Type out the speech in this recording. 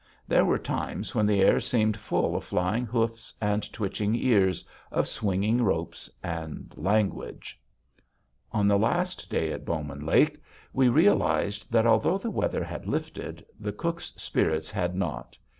There were times when the air seemed full of flying hoofs and twitching ears, of swinging ropes and language. On the last day at Bowman Lake, we realized that although the weather had lifted, the cook's spirits had not.